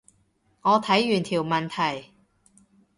我睇完條問題